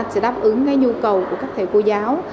sẽ đáp ứng cái nhu cầu của các thầy cô giáo